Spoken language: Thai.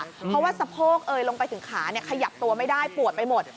เพราะว่าสะโพกเอยลงไปถึงขาขยับตัวไม่ได้ปวดไปหมด